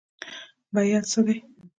بیعت څه دی؟